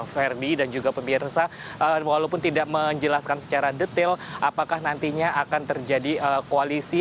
verdi dan juga pemirsa walaupun tidak menjelaskan secara detail apakah nantinya akan terjadi koalisi